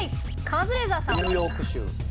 カズレーザーさん。